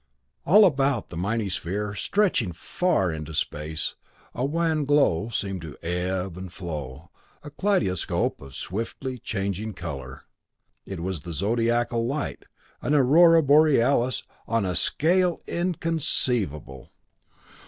All about the mighty sphere, stretching far into space, a wan glow seemed to ebb and flow, a kaleidoscope of swiftly changing color. It was the zodiacal light, an aurora borealis on a scale inconceivable!